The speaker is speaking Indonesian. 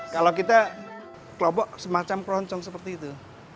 kalau kita kelompok semacam keroncong seperti itu